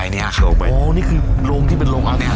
ได้ยินกันหลายคนครับจนมีคนหนึ่งเนี่ยเห็นเป็นรูปร่างเลยครับ